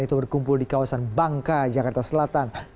itu berkumpul di kawasan bangka jakarta selatan